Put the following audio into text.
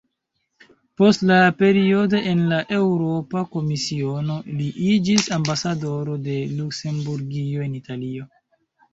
Post la periodo en la Eŭropa Komisiono, li iĝis ambasadoro de Luksemburgio en Italio.